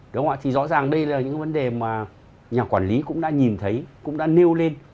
rõ ràng đây là những vấn đề mà nhà quản lý cũng đã nhìn thấy cũng đã nêu lên